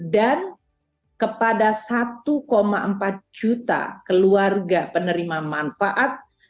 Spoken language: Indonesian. dan kepada satu empat juta keluarga penerima manfaat